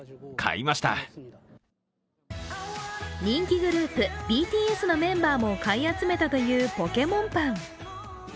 人気グループ、ＢＴＳのメンバーも買い集めたというポケモンパン。